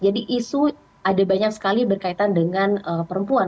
jadi isu ada banyak sekali berkaitan dengan perempuan